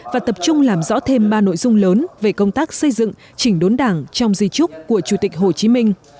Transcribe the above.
và tập trung làm rõ thêm ba nội dung lớn về công tác xây dựng chỉnh đốn đảng trong di trúc của chủ tịch hồ chí minh